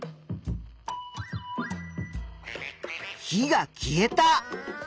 火が消えた。